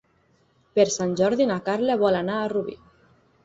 Per Sant Jordi na Carla vol anar a Rubí.